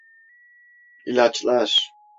İlaçlar.